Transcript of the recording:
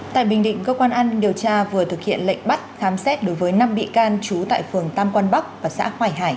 tại bình định cơ quan an điều tra vừa thực hiện lệnh bắt khám xét đối với năm bị can trú tại phường tam quang bắc và xã hoài hải